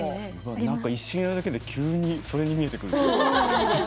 一瞬やるだけで急に、それに見える。